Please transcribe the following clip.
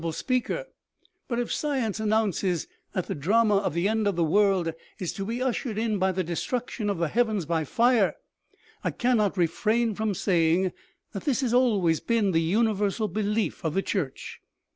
65 honorable speaker, but if science announces that the drama of the end of the world is to be ushered in by the destruc tion of the heavens by fire, I cannot refrain from saying that this has always been the universal belief of the church.